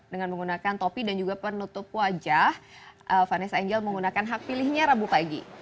dengan menggunakan topi dan juga penutup wajah vanessa angel menggunakan hak pilihnya rabu pagi